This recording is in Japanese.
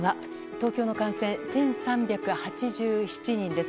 東京の感染１３８７人です。